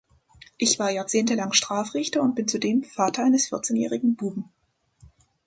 Ich war jahrzehntelang Strafrichter und bin zudem Vater eines vierzehnjährigen Buben.